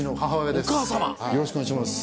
よろしくお願いします。